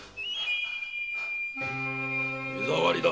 目障りだ。